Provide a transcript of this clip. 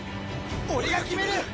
俺が決める！